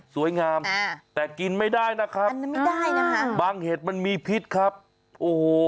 สวยงามแต่กินไม่ได้นะครับบางเห็ดมันมีพิษครับโอ้โห